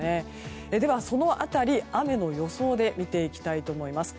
では、その辺り雨の予想で見ていきます。